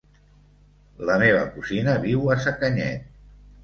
La meva cosina viu a Sacanyet.